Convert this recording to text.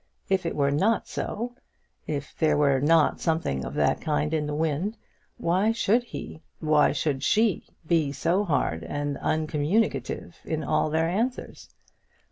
If it were not so, if there were not something of that kind in the wind why should he why should she be so hard and uncommunicative in all their answers?